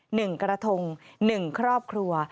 หนึ่งกระทงหนึ่งครอบครัว